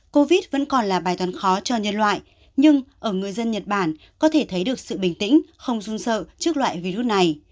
covid vẫn còn là bài toán khó cho nhân loại nhưng ở người dân nhật bản có thể thấy được sự bình tĩnh không run sợ trước loại virus này